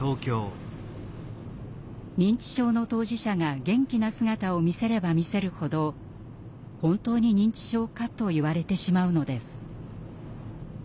認知症の当事者が元気な姿を見せれば見せるほど「本当に認知症か？」と言われてしまうのです。